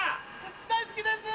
大好きです！